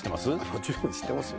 もちろん知ってますよ。